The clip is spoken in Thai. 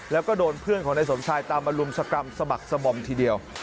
แล้วก็โดนเพื่อนของนายสมชายตามมาลุมชะกรรมสะบักสะบอมทีเดียว